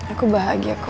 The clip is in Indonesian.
aku bahagia kum